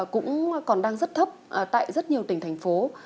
cũng còn đang rất thấp tại rất nhiều tỉnh thành phố